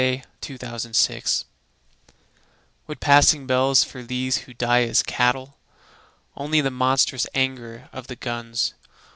Anthem for Doomed Youth What passing bells for these who die as cattle? Only the monstrous anger of the guns.